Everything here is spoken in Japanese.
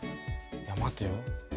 いや待てよ。